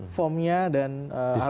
formnya dan harus